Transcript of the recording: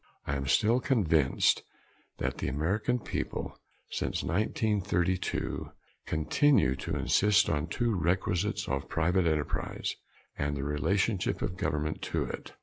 I am still convinced that the American people, since 1932, continue to insist on two requisites of private enterprise, and the relationship of government to it.